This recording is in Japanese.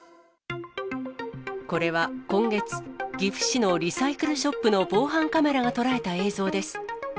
これは今月、岐阜市のリサイクルショップの防犯カメラが捉えた映像です。